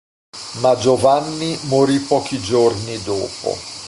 Ma Giovanni morì pochi giorni dopo.